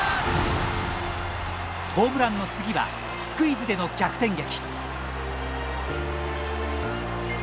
ホームランの次はスクイズでの逆転劇。